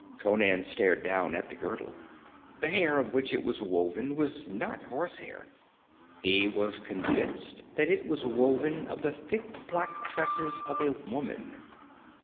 Conan stared down at the girdle. The hair of which it was woven was not horsehair. He was convinced that it was woven of the thick black tresses of a woman.